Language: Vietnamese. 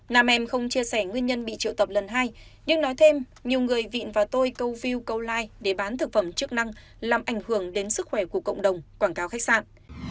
nam em không chia sẻ nguyên nhân bị triệu tập lần hai nhưng nói thêm nhiều người vịn vào tôi câu view câu like để bán thực phẩm chức năng làm ảnh hưởng đến sức khỏe của cộng đồng quảng cáo khách sạn